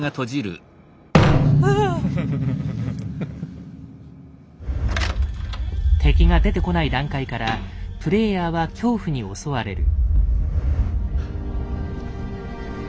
あぁっ！敵が出てこない段階からプレイヤーは恐怖に襲われる。